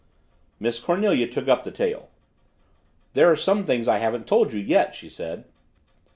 Miss Cornelia took up the tale. "There are some things I haven't told you yet," she said.